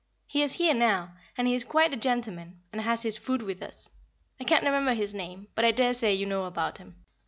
He is here now, and he is quite a gentleman, and has his food with us; I can't remember his name, but I daresay you know about him.